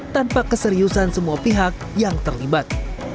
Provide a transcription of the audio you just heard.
tanpa keseriusan semua pihak yang terlibat